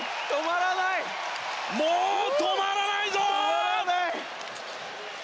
もう止まらないぞ！